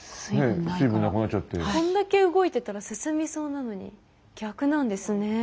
こんだけ動いてたら進みそうなのに逆なんですね。